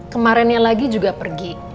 kemarin yang lagi juga pergi